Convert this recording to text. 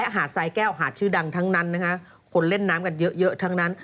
หาดทรายแก้วหาดชื่อดังทั้งนั้นคนเล่นน้ำกันเยอะทั้งนั้น